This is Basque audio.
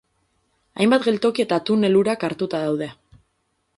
Hainbat geltoki eta tunel urak hartuta daude.